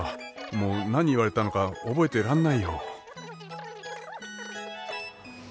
もう何言われたのか覚えてらんないよ。